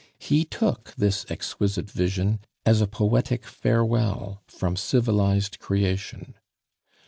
He took this exquisite vision as a poetic farewell from civilized creation.